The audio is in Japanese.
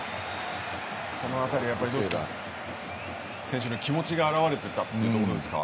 選手の気持ちが表れていたというところですか。